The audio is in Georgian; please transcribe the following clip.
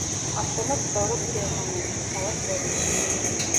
ამჟამად ცხოვრობს გერმანიაში, ქალაქ ბერლინში.